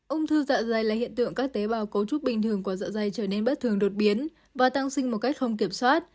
ung thư dạ dày là hiện tượng các tế bào cấu trúc bình thường của dạ dày trở nên bất thường đột biến và tăng sinh một cách không kiểm soát